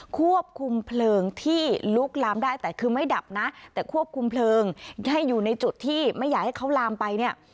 ควบคุมเพลิงที่ลุกลามได้แต่คือไม่ดับนะแต่ควบคุมเพลิงให้อยู่ในจุดที่ไม่อยากให้เขาลามไปเนี่ย